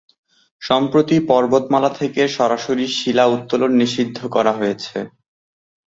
সম্প্রতি পর্বতমালা থেকে সরাসরি শিলা উত্তোলন নিষিদ্ধ করা হয়েছিল।